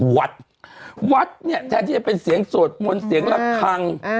วัดวัดเนี่ยแทนที่จะเป็นเสียงสวดมนต์เสียงระคัง